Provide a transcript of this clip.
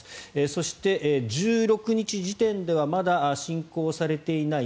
そして、１６日時点ではまだ侵攻されていない